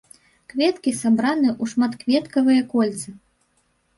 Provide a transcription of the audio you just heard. Кветкі сабраны ў шматкветкавыя кольцы.